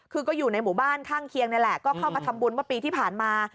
คือก็อยู่ในหมู่บ้านข้างเคียงนี่แหละก็เข้ามาทำบุญเมื่อปีที่ผ่านมา